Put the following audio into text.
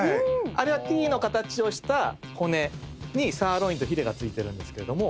あれはＴの形をした骨にサーロインとヒレが付いてるんですけれども。